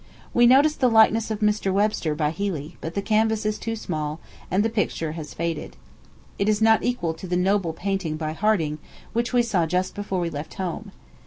We noticed the likeness of Mr. Webster, by Healy; but the canvas is too small, and the picture has faded. It is not equal to the noble painting by Harding, which we saw just before we left home.